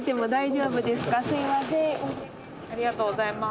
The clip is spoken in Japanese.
ありがとうございます。